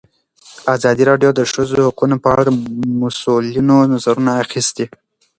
ازادي راډیو د د ښځو حقونه په اړه د مسؤلینو نظرونه اخیستي.